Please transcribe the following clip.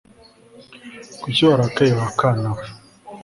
kuki warakaye wakana we